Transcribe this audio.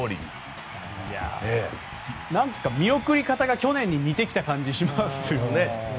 なんか見送り方が去年に似てきた感じしますよね。